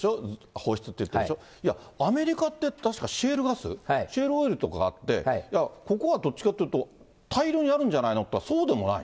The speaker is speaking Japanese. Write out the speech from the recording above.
放出って言ってるでしょ、いや、アメリカって確かシェールガス、シェールオイルとかあって、ここはどっちかっていうと、大量にあるんじゃないのと思うと、そうじゃない。